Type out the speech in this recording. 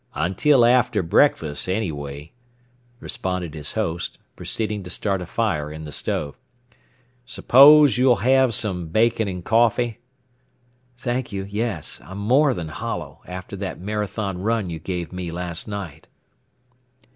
"Until after breakfast anyway," responded his host, proceeding to start a fire in the stove. "Suppose you'll have some bacon and coffee?" "Thank you, yes. I'm more than hollow, after that Marathon run you gave me last night."